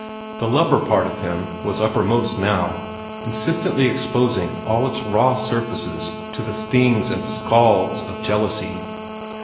The lover part of him was uppermost now, insistently exposing all its raw surfaces to the stings and scalds of jealousy.